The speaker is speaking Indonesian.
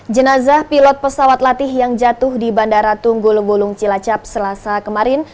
jenazah pilot pesawat latih yang jatuh di bandara tunggul wulung cilacap selasa kemarin